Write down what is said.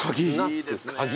いいですね。